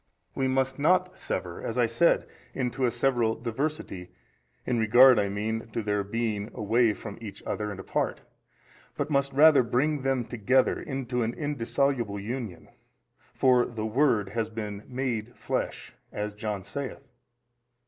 A. We must not sever (as I said) into a several diversity, in regard I mean to their being away from each other and apart, but must rather bring them together into an indissoluble union. For the Word has been made flesh, as John saith.